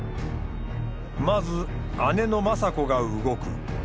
まず姉の政子が動く。